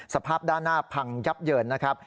สภาพด้านหน้าพังยับเยินนะครับ